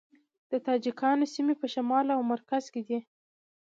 د تاجکانو سیمې په شمال او مرکز کې دي